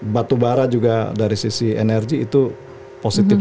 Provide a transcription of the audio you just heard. batu bara juga dari sisi energi itu positif